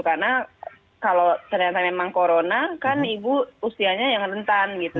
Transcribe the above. karena kalau ternyata memang corona kan ibu usianya yang rentan gitu